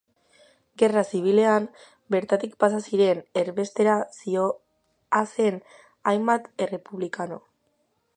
Gerra Zibilean bertatik pasa ziren erbestera zihoazen hainbat errepublikano.